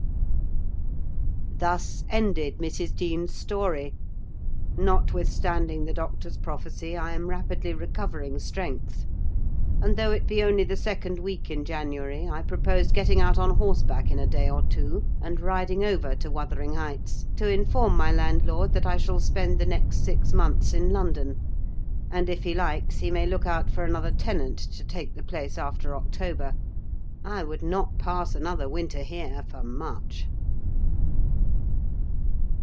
Thus ended Mrs. Dean's story. Notwithstanding the doctor's prophecy, I am rapidly recovering strength; and though it be only the second week in January, I propose getting out on horseback in a day or two, and riding over to Wuthering Heights, to inform my landlord that I shall spend the next six months in London; and, if he likes, he may look out for another tenant to take the place after October. I would not pass another winter here for much.